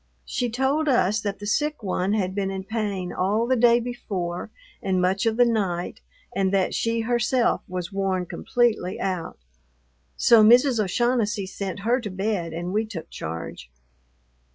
She told us that the sick one had been in pain all the day before and much of the night, and that she herself was worn completely out. So Mrs. O'Shaughnessy sent her to bed and we took charge.